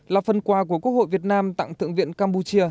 là phần quà của quốc hội việt nam tặng thượng viện campuchia